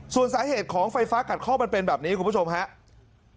ส่วนสาเหตุของไฟฟ้ากัดข้อมันเป็นแบบนี้คุณผู้ชมครับ